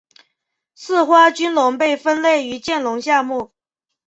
似花君龙被分类于剑龙下目。